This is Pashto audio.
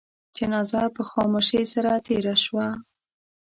جنازه په خاموشی سره تېره شوه.